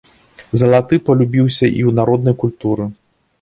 Залаты палюбіўся і ў народнай культуры.